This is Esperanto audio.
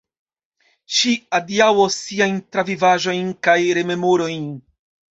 Ŝi adiaŭos siajn travivaĵojn kaj rememorojn.